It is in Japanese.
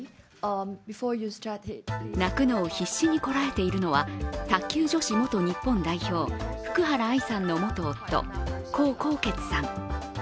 泣くのを必死にこらえているのは卓球女子元日本代表、福原愛さんの元夫・江宏傑さん。